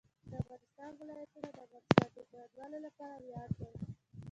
د افغانستان ولايتونه د افغانستان د هیوادوالو لپاره ویاړ دی.